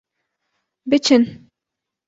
Biçin!